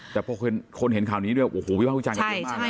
แต่พวกคุณคนเห็นข่าวนี้ด้วยโอ้โหพี่พ่อคุณจังใช่ใช่